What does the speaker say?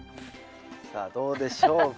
さあどうでしょうか。